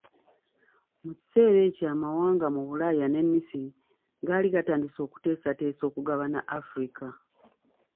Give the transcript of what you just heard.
Mu kiseera ekyo amawanga mu Bulaaya ne Misiri gaali gatandise okuteesateesa okugabana Africa.